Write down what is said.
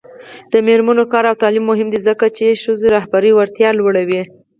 د میرمنو کار او تعلیم مهم دی ځکه چې ښځو رهبري وړتیا لوړوي.